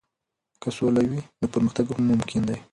که سوله وي، نو پرمختګ هم ممکن دی.